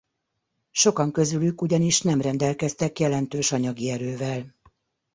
Sokan közülük ugyanis nem rendelkeztek jelentős anyagi erővel.